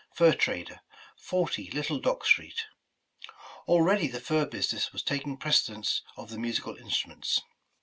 Fur Trader, 40 Little Dock Street." — Already the fur business was taking precedence of the musical instruments.